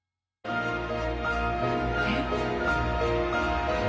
えっ？